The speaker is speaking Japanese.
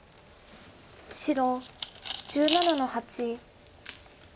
白１７の八。